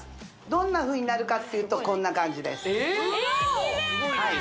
どんなふうになるかっていうとこんな感じですえキレイ！